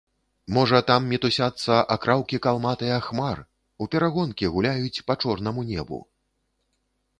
Можа, там мітусяцца акраўкі калматыя хмар, у перагонкі гуляюць па чорнаму небу?